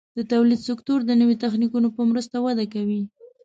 د تولید سکتور د نوي تخنیکونو په مرسته وده کوي.